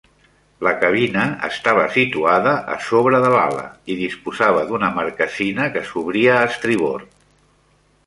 La cabina estava situada a sobre de l'ala i disposava d'una marquesina que s'obria a estribord.